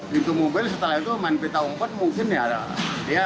pintu mobil setelah itu main pita umpet mungkin ya